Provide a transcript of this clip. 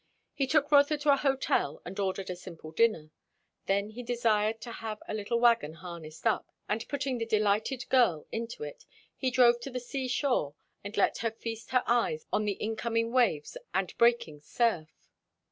He took Rotha to a hotel and ordered a simple dinner. Then he desired to have a little wagon harnessed up, and putting the delighted girl into it, he drove to the sea shore and let her feast her eyes on the incoming waves and breaking surf.